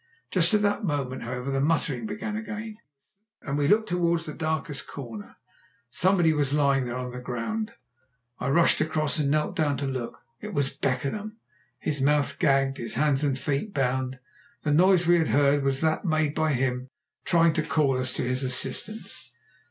Just at that moment, however, the muttering began again, and we looked towards the darkest corner; somebody was there, lying on the ground. I rushed across and knelt down to look. _It was Beckenham; his mouth gagged and his hands and feet bound. The noise we had heard was that made by him trying to call us to his assistance.